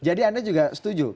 jadi anda juga setuju